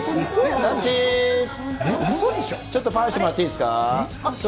ちょっと、ぱんしてもらっていいですか。